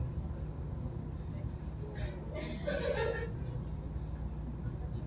eja wa nyumba ya paul ukipenda kwarim yake stephan poruola